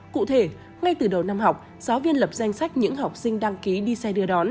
cụ thể ngay từ đầu năm học giáo viên lập danh sách những học sinh đăng ký đi xe đưa đón